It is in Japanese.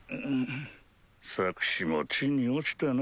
策士も地に落ちたな。